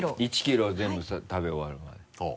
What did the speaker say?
１ｋｇ全部食べ終わるまで。